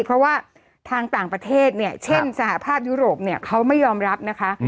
เพราะว่าทางต่างประเทศเนี่ยเช่นสหภาพยุโรปเนี่ยเขาไม่ยอมรับนะคะ